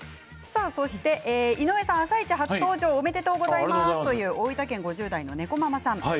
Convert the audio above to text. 井上さん、「あさイチ」初登場おめでとうございますという大分県５０代の方からです。